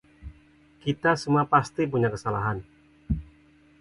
Kita semua pasti punya kesalahan.